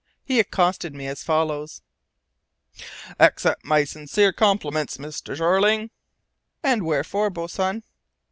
He accosted me as follows: "Accept my sincere compliments, Mr. Jeorling." "And wherefore, boatswain?"